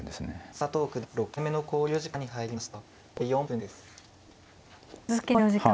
佐藤九段５回目の考慮時間に入りました。